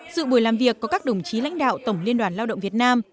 dự buổi làm việc có các đồng chí lãnh đạo tổng liên đoàn lao động việt nam